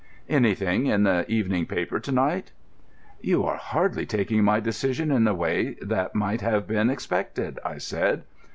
Anything in the evening paper to night?" "You are hardly taking my decision in the way that might have been expected," I said.